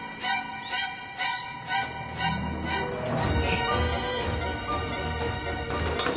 えっ？